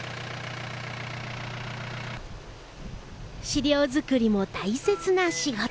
飼料作りも大切な仕事。